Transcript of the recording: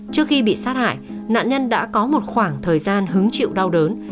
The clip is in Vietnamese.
trước khi bị sát hại nạn nhân đã có một khoảng thời gian hứng chịu đau đớn